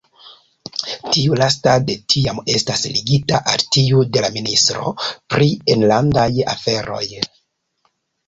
Tiu lasta de tiam estas ligita al tiu de la ministro pri enlandaj aferoj.